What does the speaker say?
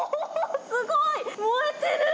すごい。